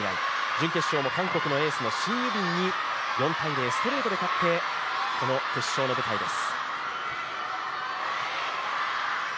準決勝も韓国のエースのシン・ユビンに勝って、この決勝の舞台です。